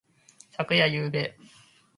昨夜。ゆうべ。